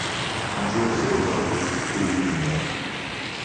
Un jour, c'est l'overdose et Louis meurt.